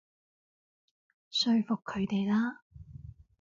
說服佢哋啦